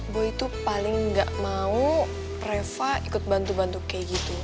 gue itu paling gak mau reva ikut bantu bantu kayak gitu